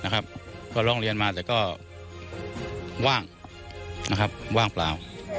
ก็ร้องเรียนมาแต่ก็ว่างว่างเปล่า